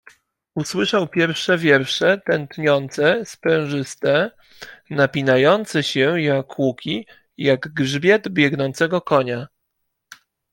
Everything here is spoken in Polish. Usłyszał pierwsze wiersze, tętniące, sprężyste, napinające się jak łuki, jak grzbiet biegnącego konia.